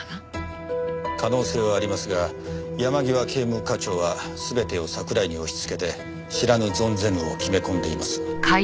可能性はありますが山際警務課長は全てを桜井に押しつけて知らぬ存ぜぬを決め込んでいます。